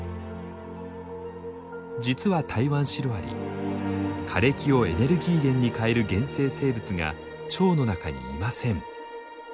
実はタイワンシロアリ枯れ木をエネルギー源に変える原生生物が腸の中にいません。